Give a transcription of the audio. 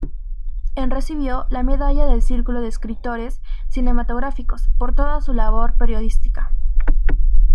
En recibió la medalla del Círculo de Escritores Cinematográficos por toda su labor periodística.